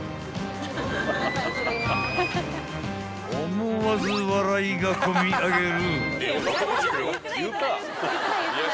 ［思わず笑いがこみ上げる］